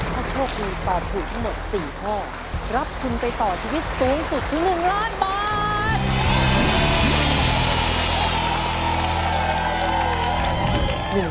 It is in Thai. ถ้าโชคดีตอบถูกทั้งหมด๔ข้อรับทุนไปต่อชีวิตสูงสุดถึง๑ล้านบาท